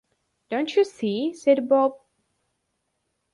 ‘Don’t you see?’ said Bob.